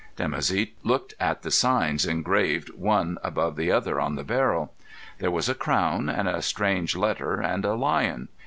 Dimoussi looked at the signs engraved one above the other on the barrel. There was a crown, and a strange letter, and a lion.